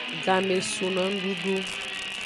Game sun no enududu.